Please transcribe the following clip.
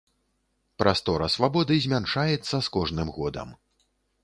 Прастора свабоды змяншаецца з кожным годам.